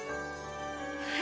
はい！